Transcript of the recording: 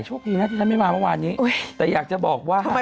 โชคดีนะที่ฉันไม่มาเมื่อวานนี้แต่อยากจะบอกว่า